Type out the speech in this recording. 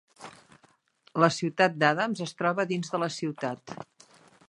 La ciutat d'Adams es troba dins de la ciutat.